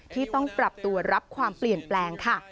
ที่ต้องปรับตัวรับความเปลี่ยนแปลงค่ะ